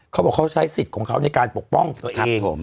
เขาบอกเขาใช้สิทธิ์ของเขาในการปกป้องตัวเอง